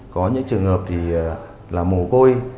có những trường hợp là mổ côi